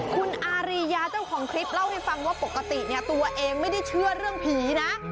คุณอารียาเจ้าของคลิปเล่าให้ฟังว่าปกติเนี่ยตัวเองไม่ได้เชื่อเรื่องผีนะ